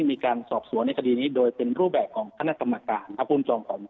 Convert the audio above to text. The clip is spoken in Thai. มีการสอบสวนในคดีนี้โดยเป็นรูปแบบของคมรกรมการ